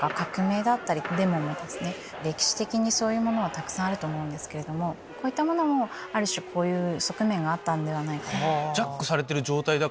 歴史的にそういうものはたくさんあると思うんですけどこういったものもある種こういう側面があった。